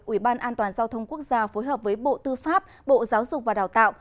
ủy ban an toàn giao thông quốc gia phối hợp với bộ tư pháp bộ giáo dục và đào tạo